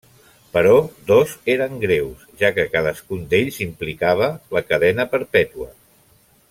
Però dos eren greus, ja que cadascun d'ells implicava la cadena perpètua.